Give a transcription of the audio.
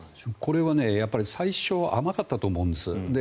これは最初甘かったと思うんです。